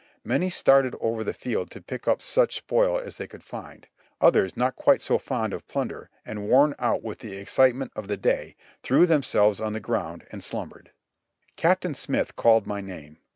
Many started over the field to pick up such spoil as they could find ; others, not quite so fond of plunder, and worn out with the excitement of the day, threw themselves on the ground and slumbered. Capt. Smith called my name.